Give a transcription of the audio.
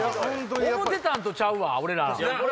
思てたんとちゃうわ俺ら。